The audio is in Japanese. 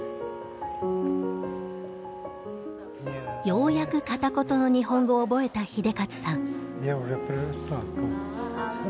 ようやく片言の日本語を覚えた英捷さん。